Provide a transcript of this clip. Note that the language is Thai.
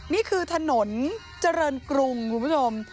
นี่คือถนนเจริญกรุงคุณผู้ชม